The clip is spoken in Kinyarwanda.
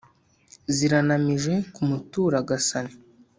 ziranamije ku mutura-gasani.